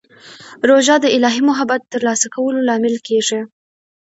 روژه د الهي محبت ترلاسه کولو لامل کېږي.